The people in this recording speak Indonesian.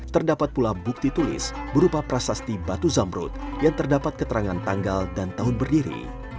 terdapat pula bukti tulis berupa prasasti batu zamrut yang terdapat keterangan tanggal dan tahun berdiri